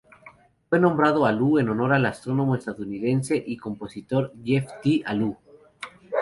Fue nombrado Alu en honor al astrónomo estadounidense y compositor Jeff T. Alu.